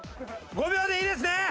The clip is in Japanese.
５秒でいいですね？